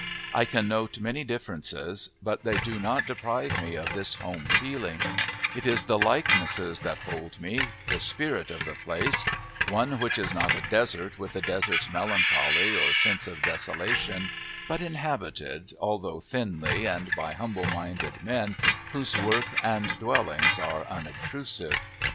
I can note many differences, but they do not deprive me of this home feeling; it is the likenesses that hold me, the spirit of the place, one which is not a desert with the desert's melancholy or sense of desolation, but inhabited, although thinly and by humble minded men whose work and dwellings are unobtrusive.